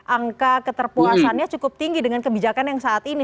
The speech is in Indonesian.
angka keterpuasannya cukup tinggi dengan kebijakan yang saat ini